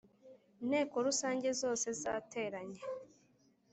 nteko Rusange zose zateranye